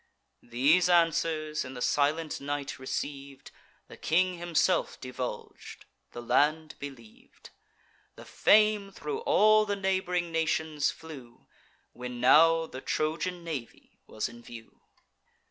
These answers, in the silent night receiv'd, The king himself divulg'd, the land believ'd: The fame thro' all the neighb'ring nations flew, When now the Trojan navy was in view.